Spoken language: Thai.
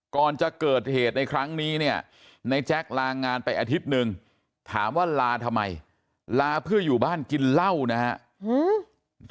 ก่อนจะเกิดเหตุในครั้งนี้เนี่ยในแจ๊คลางงานไปอาทิตย์หนึ่งถามว่าลาทำไมลาเพื่ออยู่บ้านกินเหล้านะครับ